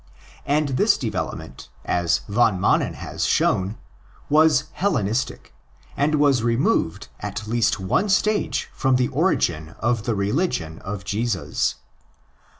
And this development, as Van Manen has shown, was Hellenistic, and was removed at least one stage from the origin of the religion of Jesus.